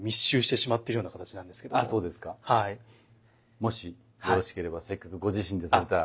もしよろしければせっかくご自身で点てた。